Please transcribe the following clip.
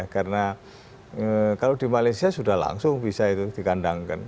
karena kalau di malaysia sudah langsung bisa itu dikandangkan